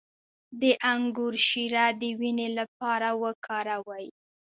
د انګور شیره د وینې لپاره وکاروئ